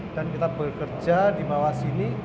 dan kita bekerja di bawah sini